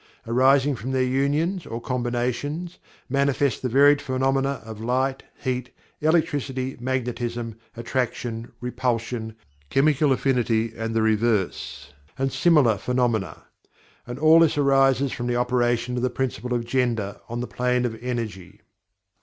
Arising from their unions, or combinations, manifest the varied phenomena of light, heat, electricity, magnetism, attraction, repulsion, chemical affinity and the reverse, and similar phenomena. And all this arises from the operation of the Principle of Gender on the plane of Energy.